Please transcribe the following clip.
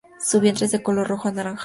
Su vientre es de color rojo anaranjado.